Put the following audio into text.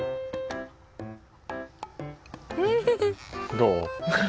どう？